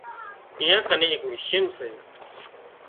اين ڪنين ايڪ مشين سي